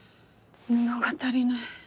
布が足りない。